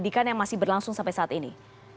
atau ada keadaan yang masih berlangsung sampai saat ini